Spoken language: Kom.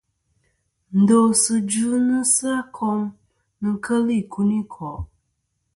Ndosɨ dvɨnɨsɨ a kom nɨn kel ikunikò'.